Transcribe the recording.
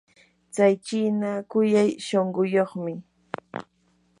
tsay chiina kuyay shunquyuqmi.